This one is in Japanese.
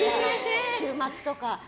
週末とか。